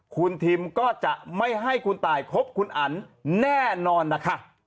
คุณทิมก็จะไม่ให้คุณตายคบคุณอันแน่นอนนะคะ